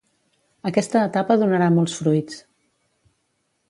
Aquesta etapa donarà molts fruits.